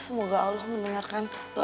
semoga allah mendengarkan doa kita ya nak